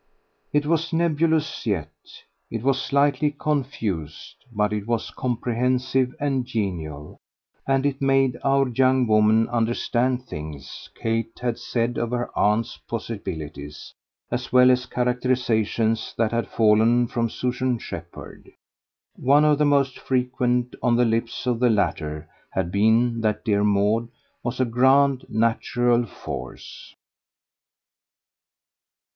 It was nebulous yet, it was slightly confused, but it was comprehensive and genial, and it made our young woman understand things Kate had said of her aunt's possibilities, as well as characterisations that had fallen from Susan Shepherd. One of the most frequent on the lips of the latter had been that dear Maud was a grand natural force.